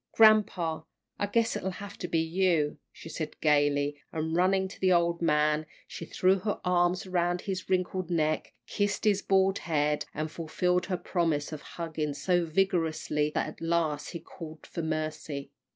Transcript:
"Grampa, I guess it'll have to be you," she said, gaily, and, running to the old man, she threw her arms around his wrinkled neck, kissed his bald head, and fulfilled her promise of a hugging so vigorously that at last he called for mercy.